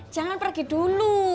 jangan pergi dulu